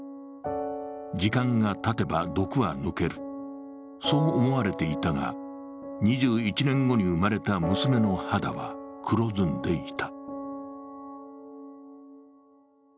時間がたてば毒は抜ける、そう思われていたが、２１年後に生まれた娘の肌は黒ずんでいた。